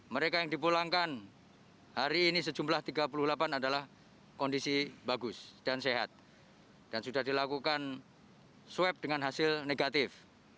mereka yang dipulangkan hari ini sejumlah tiga puluh delapan adalah kondisi bagus dan sehat dan sudah dilakukan swab dengan hasil negatif